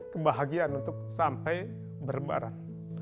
kebahagiaan untuk sampai berbarat